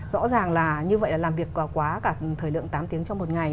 rõ ràng là như vậy là làm việc quá cả thời lượng tám tiếng trong một ngày